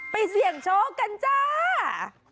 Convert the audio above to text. เสี่ยงโชคกันจ้า